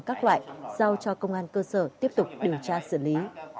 các loại giao cho công an cơ sở tiếp tục điều tra xử lý